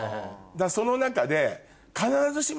その中で。